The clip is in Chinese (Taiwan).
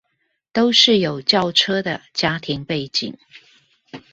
都是有轎車的家庭背景